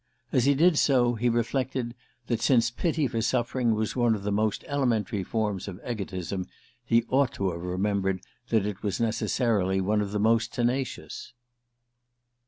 As he did so, he reflected that, since pity for suffering was one of the most elementary forms of egotism, he ought to have remembered that it was necessarily one of the most tenacious.